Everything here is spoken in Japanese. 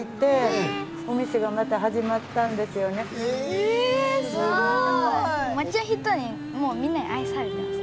えすごい！